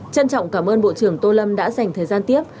trân trọng cảm ơn bộ trưởng tô lâm đã dành thời gian tiếp